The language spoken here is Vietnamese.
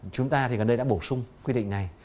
chúng ta thì gần đây đã bổ sung quy định này